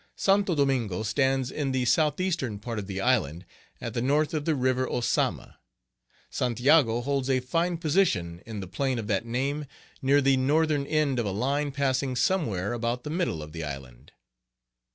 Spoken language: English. Santo Domingo stands in the southeastern part of the island, at the north of the River Ozama. Santiago holds a fine position in the plain of that name, near the northern end of a line passing somewhere about the middle of the island.